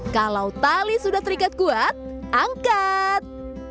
kalau tali sudah terikat kuat angkat